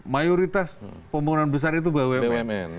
mayoritas pembangunan besar itu bumn